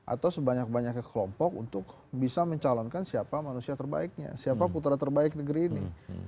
atau sebanyak banyaknya kelompok untuk bisa mencalonkan siapa manusia terbaiknya siapa putra terbaik negeri ini